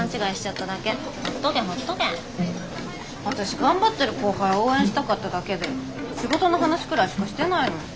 私頑張ってる後輩応援したかっただけで仕事の話くらいしかしてないのに！